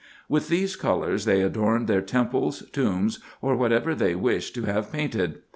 With these colours they adorned their temples, tombs, or whatever they wished to have painted.